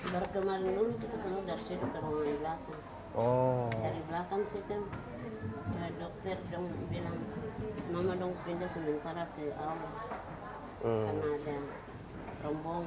baru kemarin dulu kita kemudian sudah ke rumah belakang